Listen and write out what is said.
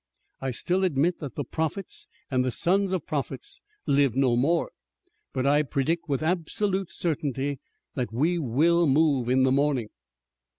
I still admit that the prophets and the sons of prophets live no more, but I predict with absolute certainty that we will move in the morning."